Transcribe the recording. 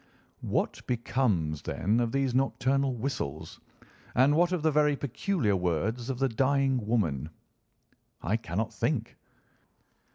"What becomes, then, of these nocturnal whistles, and what of the very peculiar words of the dying woman?" "I cannot think."